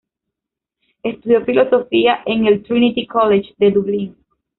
Estudió filosofía en el "Trinity College" de Dublín.